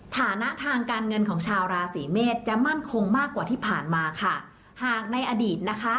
ฐานะทางการเงินของชาวราศีเมษจะมั่นคงมากกว่าที่ผ่านมาค่ะหากในอดีตนะคะ